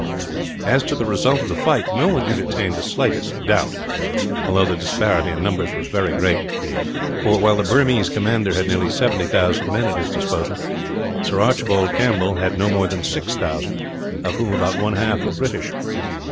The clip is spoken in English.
As to the result of the fight, no one entertained the slightest doubt; although the disparity in numbers was very great for, while the Burmese commander had nearly 70,000 men at his disposal, Sir Archibald Campbell had no more than 6,000, of whom about one half were British.